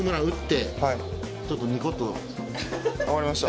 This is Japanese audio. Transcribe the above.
分かりました。